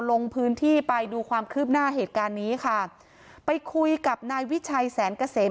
ลงพื้นที่ไปดูความคืบหน้าเหตุการณ์นี้ค่ะไปคุยกับนายวิชัยแสนเกษม